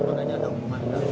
karena ada hubungan